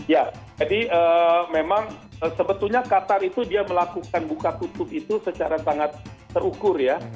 ya jadi memang sebetulnya qatar itu dia melakukan buka tutup itu secara sangat terukur ya